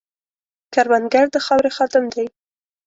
کروندګر د خاورې خادم دی